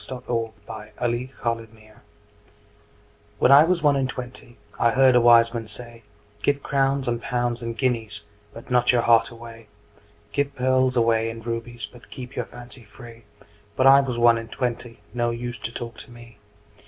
When I was one and twenty WHEN I was one and twentyI heard a wise man say,'Give crowns and pounds and guineasBut not your heart away; Give pearls away and rubiesBut keep your fancy free.'But I was one and twenty, No use to talk to me.